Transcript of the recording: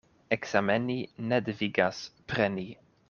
Ekzameni ne devigas preni.